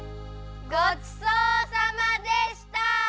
ごちそうさまでした！